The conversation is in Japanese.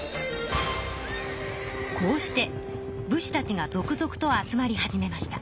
こうして武士たちが続々と集まり始めました。